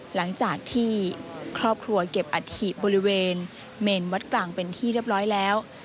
หลังจากที่ครอบครัวเก็บอัฐิบริเวณเมนวัดกลางเป็นที่เรียบร้อยแล้ว